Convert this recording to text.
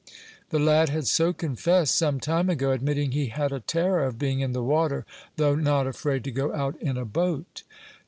The lad had so confessed some time ago, admitting he had a terror of being in the water, though not afraid to go out in a boat.